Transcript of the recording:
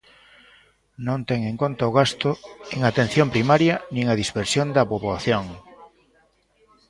Non ten en conta o gasto en atención primaria nin a dispersión da poboación.